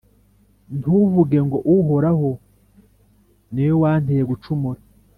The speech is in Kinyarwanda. Ntukavuge ngo «Uhoraho ni we wanteye gucumura»,